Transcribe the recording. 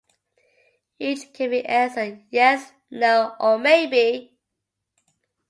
Each can be answered "yes", "no", or "maybe".